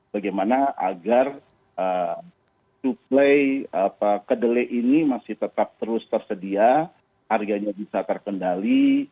bagaimana agar suplai kedelai ini masih tetap terus tersedia harganya bisa terkendali